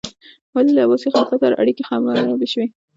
ولې له عباسي خلیفه سره اړیکې خرابې شوې؟